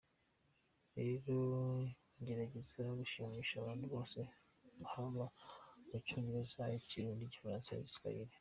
Rero ngerageza gushimisha abantu bose haba mu Cyongereza, Ikirundi, Igifaransa n’Igiswahili”.